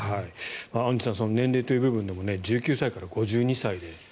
アンジュさん年齢という部分でも１９歳から５２歳で。